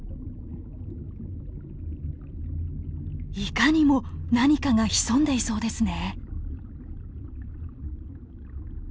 いかにも何かが潜んでいそうですね。